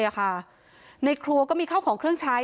ในแสบคลังน้ำกราบก็มีเข้าของเครื่องใช้